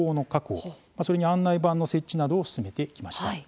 それに案内板の設置などを進めてきました。